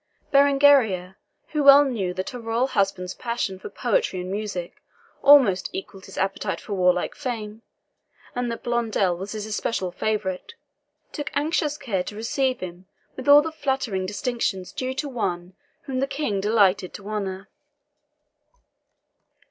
Berengaria, who well knew that her royal husband's passion for poetry and music almost equalled his appetite for warlike fame, and that Blondel was his especial favourite, took anxious care to receive him with all the flattering distinctions due to one whom the King delighted to honour.